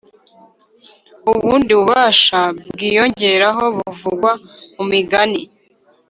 Ubundi bubasha bwiyongeraho buvugwa mu migani.